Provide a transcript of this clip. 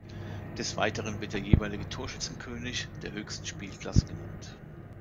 Des Weiteren wird der jeweilige Torschützenkönig der höchsten Spielklasse genannt.